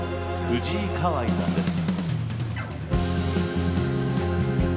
藤井香愛さんです。